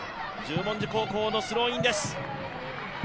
十文字高校のスローインです。